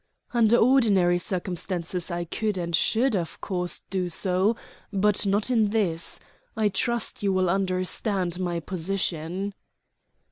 "Under ordinary circumstances I could and should, of course, do so; but not in this. I trust you will understand my position."